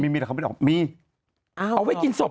มีมีหรอกเขาไม่ได้ออก